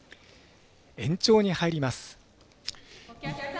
延長に入ります。